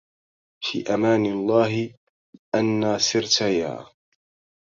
في أمان الله أنى سرت يا